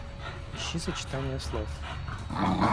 Ищи сочетания слов.